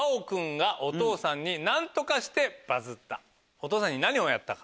お父さんに何をやったか？